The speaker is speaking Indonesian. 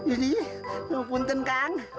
ini namapun tenkang